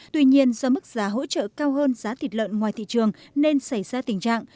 tuy nhiên do mức giá hỗ trợ cao hơn giá thịt lợn ngoài thị trường nên xảy ra tình trạng